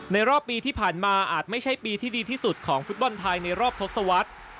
รอบปีที่ผ่านมาอาจไม่ใช่ปีที่ดีที่สุดของฟุตบอลไทยในรอบทศวรรษ